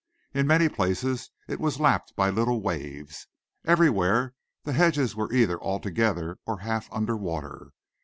In many places it was lapped by little waves. Everywhere the hedges were either altogether or half under water.